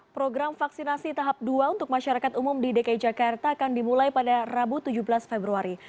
program vaksinasi tahap dua untuk masyarakat umum di dki jakarta akan dimulai pada rabu tujuh belas februari